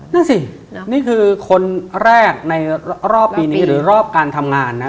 นั่นสินี่คือคนแรกในรอบปีนี้หรือรอบการทำงานนะ